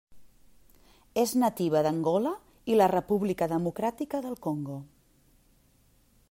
És nativa d'Angola i la República democràtica del Congo.